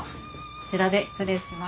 こちらで失礼します。